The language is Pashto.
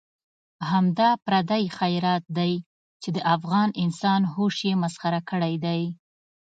همدا پردی خیرات دی چې د افغان انسان هوش یې مسخره کړی دی.